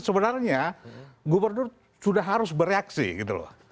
sebenarnya gubernur sudah harus bereaksi gitu loh